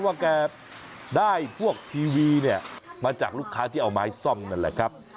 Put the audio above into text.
ว่าแกได้พวกทีวีเนี่ยมาจากลูกค้าที่เอาไม้ซ่อมนั่นแหละครับ